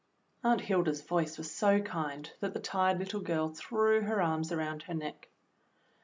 Aunt Hilda's voice was so kind that the tired little girl threw her arms around her neck.